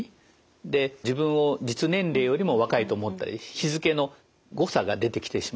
で自分を実年齢よりも若いと思ったり日付の誤差が出てきてしまうと。